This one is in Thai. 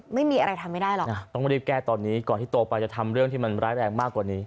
ไม่มีอะไรทำไม่ได้หรอกนะต้องรีบแก้ตอนนี้ก่อนที่โตไปจะทำเรื่องที่มันร้ายแรงมากกว่านี้